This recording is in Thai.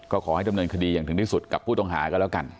ก็ขอให้ดำเนินคดีอย่างถึงที่สุดกับผู้ต้องหาก็แล้วกัน